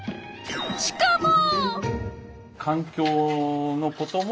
しかも！